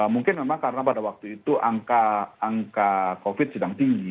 mungkin memang karena pada waktu itu angka covid sedang tinggi